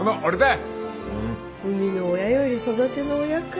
生みの親より育ての親か。